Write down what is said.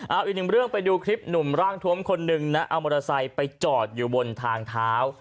เอาอีกหนึ่งเรื่องไปดูคลิปหนุ่มร่างทวมคนหนึ่งนะเอามอเตอร์ไซค์ไปจอดอยู่บนทางเท้า